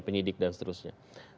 penyidik dan seterusnya